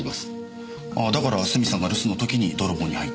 だからスミさんが留守の時に泥棒に入った。